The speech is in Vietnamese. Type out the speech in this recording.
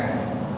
đi ở trên đường